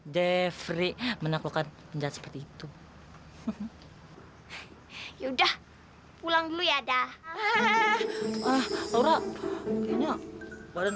de vries menaklukkan penjahat seperti itu ya udah pulang dulu ya dah ah laura kayaknya badan